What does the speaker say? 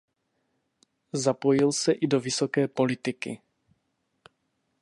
Zapojil se i do vysoké politiky.